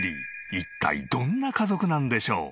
一体どんな家族なんでしょう？